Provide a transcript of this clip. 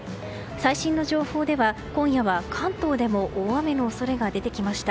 最新の情報では今夜は関東でも大雨の恐れが出てきました。